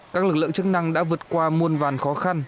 các lực lượng chức năng đã vượt qua muôn vàn khó khăn